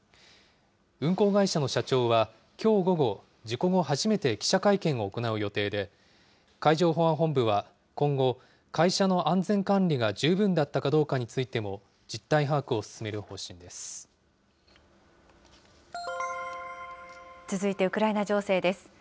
運航会社の社長はきょう午後、事故後、初めて記者会見を行う予定で、海上保安本部は今後、会社の安全管理が十分だったかどうかについても実態把握を進める続いてウクライナ情勢です。